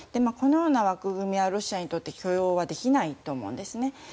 このような枠組みはロシアにとって許容はできないと思うんですね。